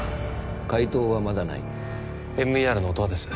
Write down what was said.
回答はまだないＭＥＲの音羽です